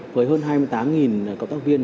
với hơn hai mươi tám cộng tác viên